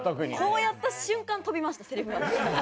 こうやった瞬間飛びましたセリフが。